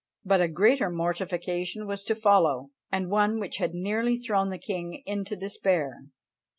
But a greater mortification was to follow, and one which had nearly thrown the king into despair.